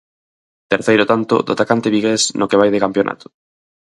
Terceiro tanto do atacante vigués no que vai de campionato.